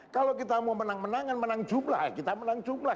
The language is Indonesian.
kalau kita mau menang menangan menang jumlah kita menang jumlah